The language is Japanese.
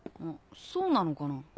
そうなのかな。